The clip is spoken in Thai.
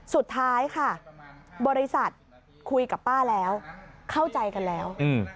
สุดท้ายค่ะบริษัทคุยกับป้าแล้วเข้าใจกันแล้ว